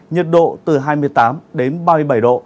nhiệt độ từ hai mươi tám đến ba mươi bảy độ